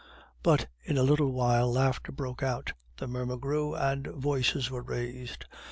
But in a little while laughter broke out, the murmur grew, and voices were raised.